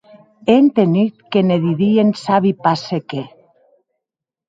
È entenut que ne didien sabi pas se qué.